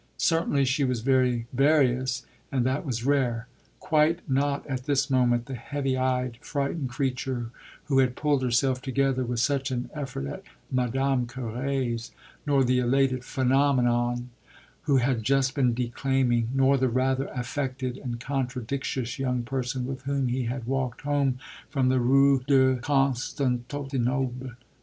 Certainly she was very various, and that was rare; quite not at this moment the heavy eyed, frightened creature who had pulled herself together with such an effort at Madame Carré's, nor the elated "phenomenon" who had just been declaiming, nor the rather affected and contradictious young person with whom he had walked home from the Rue de Constantinople.